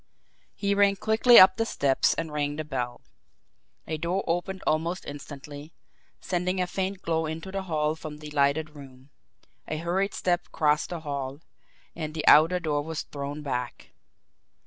He ran quickly up the steps and rang the bell. A door opened almost instantly, sending a faint glow into the hall from the lighted room; a hurried step crossed the hall and the outer door was thrown back.